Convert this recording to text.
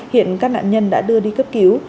hiện các nạn nhân đã đưa đi cấp cứu